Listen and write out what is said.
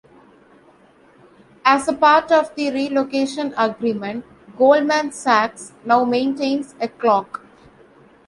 As a part of the relocation agreement Goldman Sachs now maintains the clock.